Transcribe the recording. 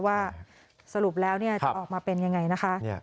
ว่าสรุปแล้วจะออกมาเป็นยังไงนะคะ